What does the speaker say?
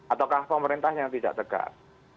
ataukah pemerintah yang tidak tegas